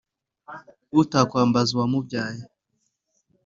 utakwambaza uwamubyaye